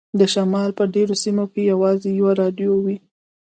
د شمال په ډیرو سیمو کې یوازې یوه راډیو وي